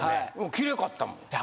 きれかったもんいや